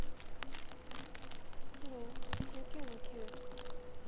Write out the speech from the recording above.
白１９の九。